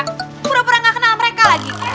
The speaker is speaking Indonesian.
gak kenal mereka lagi